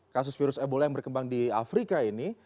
kasus virus ebola yang berkembang di afrika ini